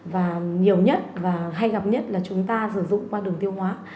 và nhiều nhất và hay gặp nhất là chúng ta sử dụng qua đường tiêu hóa